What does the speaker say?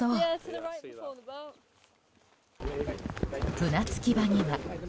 船着き場には。